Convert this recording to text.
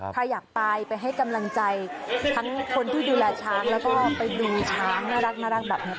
ใครอยากไปไปให้กำลังใจทั้งคนที่ดูแลช้างแล้วก็ไปดูช้างน่ารักแบบนี้